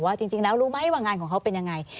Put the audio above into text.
จริงแล้วรู้ไหมว่างานของเขาเป็นยังไง